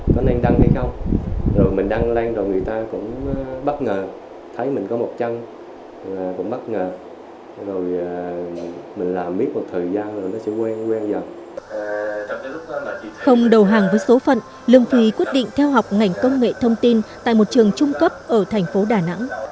không đầu hàng với số phận lương phi quyết định theo học ngành công nghệ thông tin tại một trường trung cấp ở thành phố đà nẵng